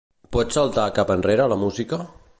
Pots saltar cap enrere la música?